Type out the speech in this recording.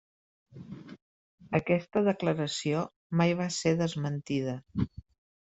Aquesta declaració mai va ser desmentida.